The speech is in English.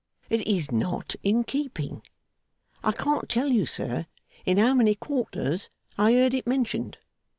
It is not in keeping. I can't tell you, sir, in how many quarters I heard it mentioned.